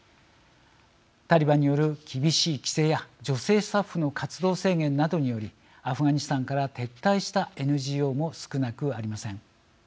タリバンによる厳しい規制や女性スタッフの活動制限などによりアフガニスタンから撤退したＮＧＯも少なくありません。